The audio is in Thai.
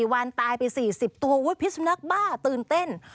วันตายไป๔๐ตัวพิสุนักบ้าตื่นเต้น